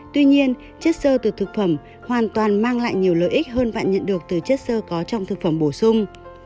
tuy nhiên chất sơ từ thực phẩm hoàn toàn mang lại nhiều lợi ích hơn vạn nhận được từ chất sơ có trong thực phẩm bổ sung